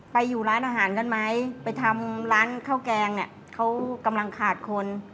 ไปอยู่ร้านอาหารกันไหมไปทำร้านข้าวแกงเนี่ยเขากำลังขาดคน